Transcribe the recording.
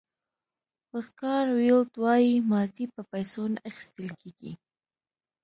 اوسکار ویلډ وایي ماضي په پیسو نه اخیستل کېږي.